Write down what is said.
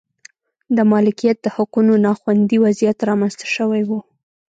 د مالکیت د حقونو نا خوندي وضعیت رامنځته شوی و.